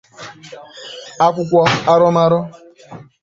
akwụkwọ arụmarụ